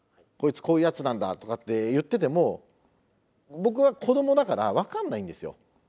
こいつこういうやつなんだとかって言ってても僕は子供だから分かんないんですよ。